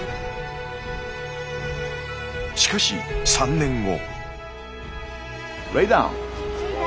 しかし３年後。